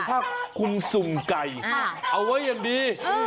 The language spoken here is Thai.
ถ้าคุณสุ่มไก่เอาไว้อย่างดี